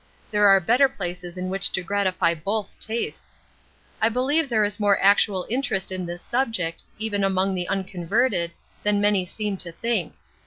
There are better places in which to gratify both tastes. I believe there is more actual interest in this subject, even among the unconverted, than many seem to think.